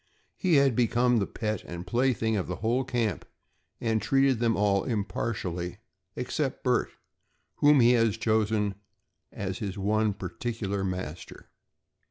He had become the pet and plaything of the whole camp and treated them all impartially except Bert whom he had chosen as his one particular master.